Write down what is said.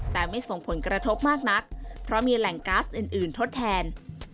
แต่ไม่ส่งผลกระทบมากนักเพราะมีแหล่งก๊าซอื่นทดแทน